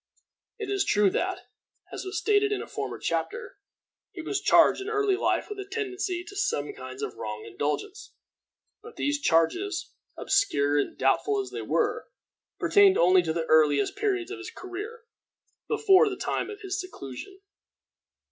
It is true that, as was stated in a former chapter, he was charged in early life with a tendency to some kinds of wrong indulgence; but these charges, obscure and doubtful as they were, pertained only to the earliest periods of his career, before the time of his seclusion.